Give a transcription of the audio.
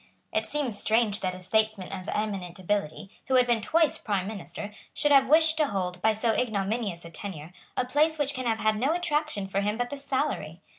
It seems strange that a statesman of eminent ability, who had been twice Prime Minister, should have wished to hold, by so ignominious a tenure, a place which can have had no attraction for him but the salary.